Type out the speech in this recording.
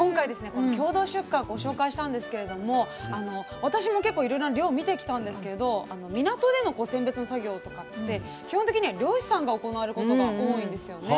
この共同出荷ご紹介したんですけれども私も結構いろいろな漁見てきたんですけど港での選別の作業とかって基本的には漁師さんが行われることが多いんですよね。